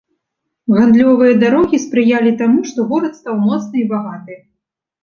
Гандлёвыя дарогі спрыялі таму, што горад стаў моцны і багаты.